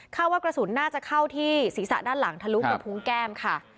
ว่ากระสุนน่าจะเข้าที่ศีรษะด้านหลังทะลุกระพุงแก้มค่ะ